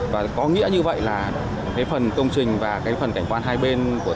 và có nghĩa như vậy là cái phần công trình và cái phần cảnh quan hai bên của